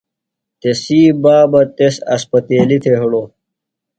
تسی بابہ تس اسپتیلیۡ تھےۡ ہڑوۡ۔